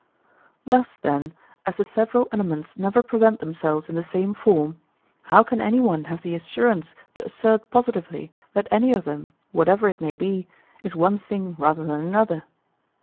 Thus, then, as the several elements never present themselves in the same form, how can any one have the assurance to assert positively that any of them, whatever it may be, is one thing rather than another?